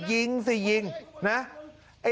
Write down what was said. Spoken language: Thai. ยิงสิยิงนะ